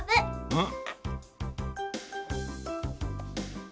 うん。